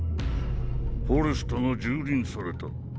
フォレスタが蹂躙された。